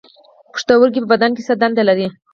پښتورګي په بدن کې څه دنده لري